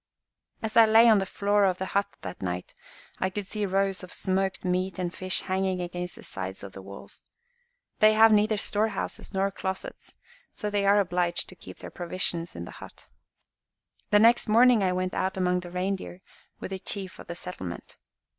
"As I lay on the floor of the hut that night, I could see rows of smoked meat and fish hanging against the sides of the walls. They have neither storehouses nor closets, so they are obliged to keep their provisions in the huts. "The next morning I went out among the reindeer with the chief of the settlement.